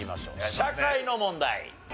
社会の問題。